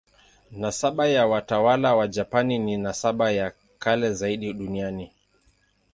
Nasaba ya watawala wa Japani ni nasaba ya kale zaidi duniani.